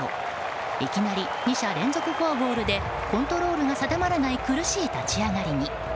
いきなり２者連続フォアボールでコントロールが定まらない苦しい立ち上がりに。